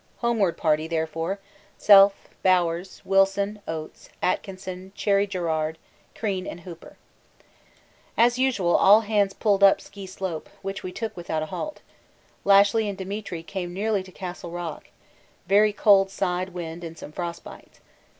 Homeward party, therefore: Self Bowers Wilson Oates Atkinson Cherry Garrard Crean Hooper As usual all hands pulled up Ski slope, which we took without a halt. Lashly and Demetri came nearly to Castle Rock very cold side wind and some frostbites.